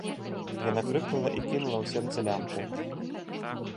Яна крыкнула і кінула ў сенцы лямпу.